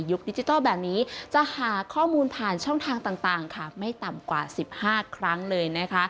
ดิจิทัลแบบนี้จะหาข้อมูลผ่านช่องทางต่างค่ะไม่ต่ำกว่า๑๕ครั้งเลยนะคะ